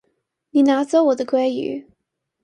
你拿走我的鮭魚